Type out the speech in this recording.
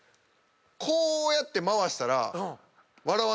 こうやって回したら。